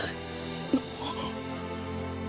あっ。